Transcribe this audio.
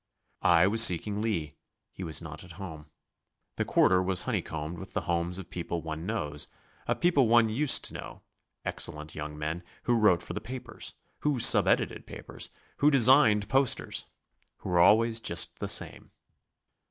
I was seeking Lea he was not at home. The quarter was honeycombed with the homes of people one knows; of people one used to know, excellent young men who wrote for the papers, who sub edited papers, who designed posters, who were always just the same.